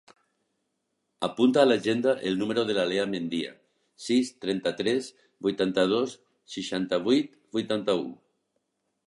Apunta a l'agenda el número de la Leah Mendia: sis, trenta-tres, vuitanta-dos, seixanta-vuit, vuitanta-u.